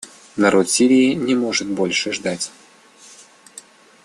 Народ Сирии не может больше ждать.